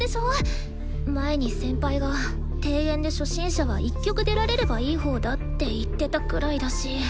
前に先輩が「定演で初心者は１曲出られればいいほうだ」って言ってたくらいだし。